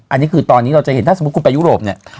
อันนี้คือตอนนี้เราจะเห็นถ้าสมมุติคุณไปยุโรปเนี่ย